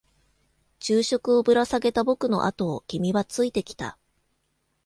昼食をぶら下げた僕のあとを君はついてきた。